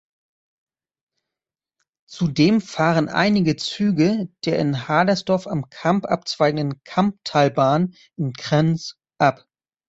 Zudem fahren einige Züge der in Hadersdorf am Kamp abzweigenden Kamptalbahn in Krems ab.